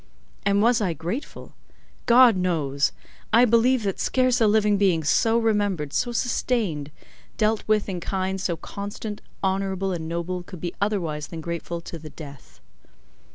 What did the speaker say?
And was I grateful? God knows! I believe that scarce a living being so remembered, so sustained, dealt with in kind so constant, honourable and noble, could be otherwise than grateful to the death.